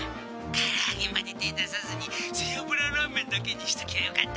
☎からあげまで手を出さずに背あぶらラーメンだけにしときゃよかったのう。